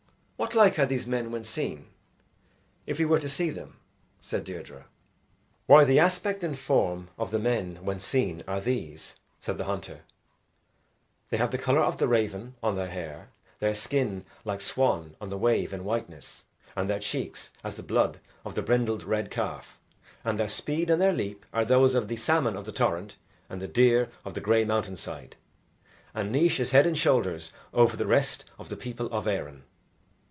"What like are these men when seen, if we were to see them?" said Deirdre. "Why, the aspect and form of the men when seen are these," said the hunter; "they have the colour of the raven on their hair, their skin like swan on the wave in whiteness, and their cheeks as the blood of the brindled red calf, and their speed and their leap are those of the salmon of the torrent and the deer of the grey mountain side. And Naois is head and shoulders over the rest of the people of Erin."